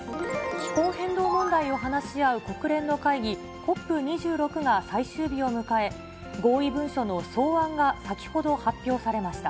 気候変動問題を話し合う国連の会議、ＣＯＰ２６が最終日を迎え、合意文書の草案が先ほど発表されました。